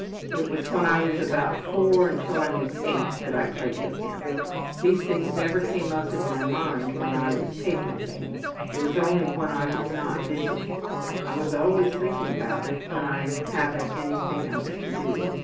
It was when I was about 4 until I was 8 that I played with him. These things never came up in my mind when I was taking things. It was only when I was not busy. I was always thinking about it when I haven't anything else to do.